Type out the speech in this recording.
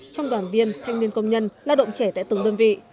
trong đoàn viên thanh niên công nhân lao động trẻ tại từng đơn vị